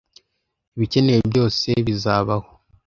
Ibikenewe byose bizabaho.